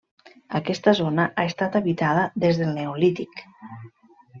Aquesta zona ha estat habitada des del neolític.